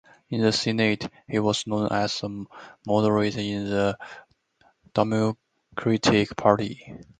In the Senate, he was known as a moderate in the Democratic Party.